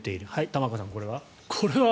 玉川さん、これは？